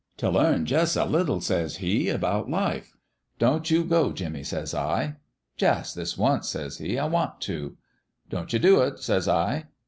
" 4 T learn jus' a little,' says he, ' about life. 1 "* Don't you go, Jimmie,' says I. "' Jus' this once,' says he. ' I want to.' "' Don't you do it,' says I.